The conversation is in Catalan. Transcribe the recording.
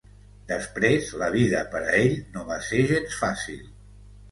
Després, la vida per a ell no va ser gens fàcil.